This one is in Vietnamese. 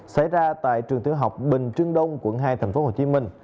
xảy ra tại trường tiểu học bình trương đông quận hai tp hcm